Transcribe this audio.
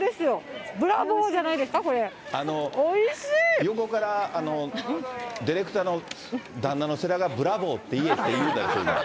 横からディレクターの旦那のせらがブラボーって言えって言ったでしょ、今。